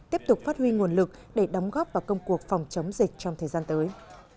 tiếp tục phát huy nguồn lực để đóng góp vào công cuộc phòng chống dịch trong thời gian tới